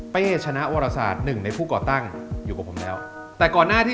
ชนะวรศาสตร์หนึ่งในผู้ก่อตั้งอยู่กับผมแล้วแต่ก่อนหน้าที่